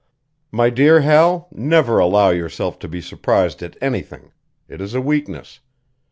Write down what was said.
"My dear Hal, never allow yourself to be surprised at anything; it is a weakness.